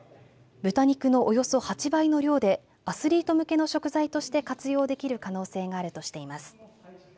豚肉のおよそ８倍の量でアスリート向けの食材として活用できる可能性があるとしています。